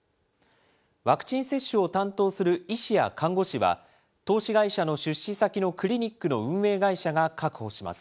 ワクチン接種を担当する医師や看護師は、投資会社の出資先のクリニックの運営会社が確保します。